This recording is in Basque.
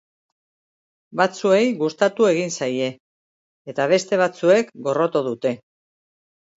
Batzuei gustatu egin zaie, eta beste batzuek gorroto dute.